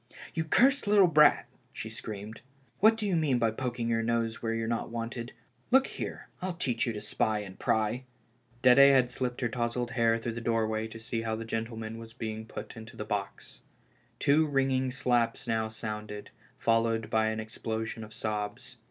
"You cursed little brat," she screamed, "what do you mean by poking your nose where you're not wanted ? Look here, I'll teach you to spy and pry." Dede had slipped her touzled head through the door way to see how the gentleman was being put into the box. Two ringing slaps now sounded, followed by an explosion of sobs.